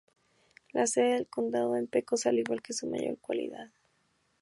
La sede del condado es Pecos, al igual que su mayor ciudad.